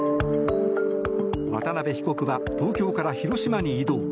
渡邉被告は東京から広島に移動。